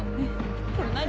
これ何？